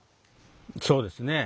そうですね。